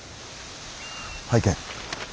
拝見。